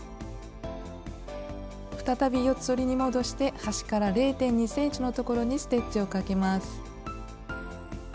再び四つ折りに戻して端から０．２ｃｍのところにステッチをかけます。